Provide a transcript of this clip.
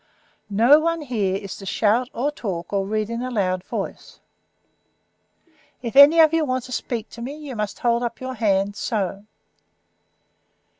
"No one here is to shout or talk, or read in a loud voice. If any of you want to speak to me you must hold up your hand, so.